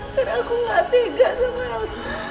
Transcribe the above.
karena aku gak tegas sama yos